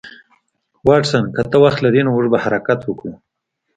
واټسن که ته وخت لرې نو موږ به حرکت وکړو